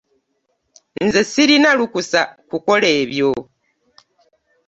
Nze ssirina lukusa kukola ebyo.